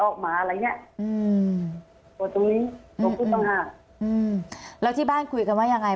กลัวที่ว่าถ้าประกันเด็กออกหมาอะไรอย่างเนี่ย